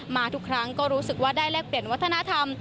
มาทุกครั้งก็รู้สึกว่าได้แลกเปลี่ยนวัฒนธรรม